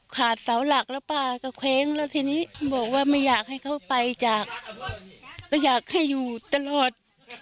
ขาดเสาหลักแล้วป้าก็เคว้งแล้วทีนี้บอกว่าไม่อยากให้เขาไปจากก็อยากให้อยู่ตลอด